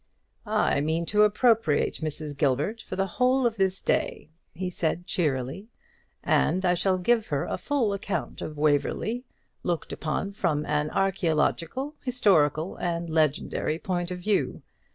"I mean to appropriate Mrs. Gilbert for the whole of this day," he said, cheerily; "and I shall give her a full account of Waverly, looked upon from an archæological, historical, and legendary point of view.